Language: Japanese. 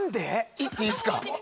言っていいすか？